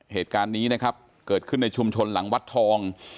เหตุการณ์นี้นะครับเกิดขึ้นในชุมชนหลังวัดทอง